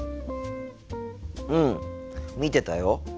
うん見てたよ。